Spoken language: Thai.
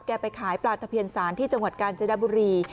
ไปขายปลาตะเพียนสารที่จังหวัดกาญจนบุรี